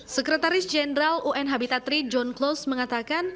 sekretaris jenderal un habitat iii john close mengatakan